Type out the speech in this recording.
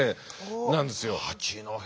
そうなんですよ。